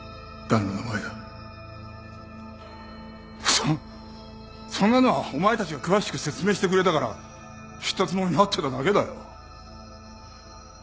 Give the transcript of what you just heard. そそんなのはお前たちが詳しく説明してくれたから知ったつもりになってただけだよ。